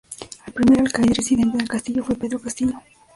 El primer Alcaide residente en el castillo fue Pedro Castillo.